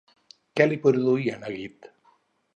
Què li produïa neguit?